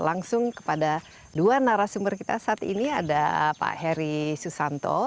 langsung kepada dua narasumber kita saat ini ada pak heri susanto plt dari kepala dinas pariwisata dan kebudayaan di kabupaten kampar